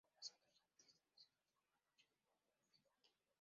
Además de otros artistas nacionales como La Noche y Bombo Fica.